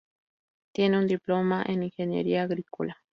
Tiene un diploma en Ingeniería agrícola.